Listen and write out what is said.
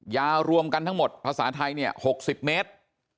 ยารวมกันทั้งหมดภาษาไทย๖๐เมตร